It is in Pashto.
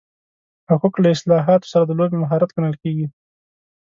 حقوق له اصطلاحاتو سره د لوبې مهارت ګڼل کېږي.